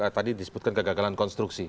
tadi disebutkan kegagalan konstruksi